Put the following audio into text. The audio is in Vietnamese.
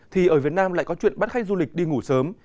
thì ở việt nam lại có chuyện bắt khách du lịch đi ngủ sớm